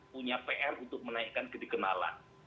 punya pr untuk menaikkan kedikenalan